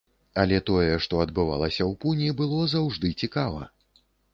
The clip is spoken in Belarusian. Але тое, што адбывалася ў пуні, было заўжды цікава!